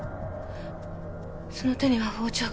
その手には包丁が。